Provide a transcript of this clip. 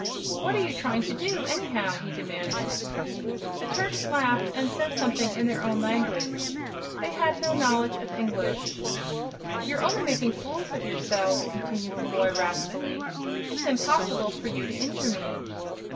"What are you trying to do, anyhow?" he demanded. The Turks laughed and said something in their own language. They had no knowledge of English. "You're only making fools of yourselves," continued the boy, wrathfully. "It's impossible for you to injure me."